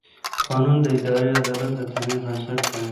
قانون د اداري عدالت د تامین بنسټ دی.